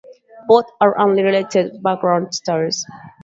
Both are unrelated background stars.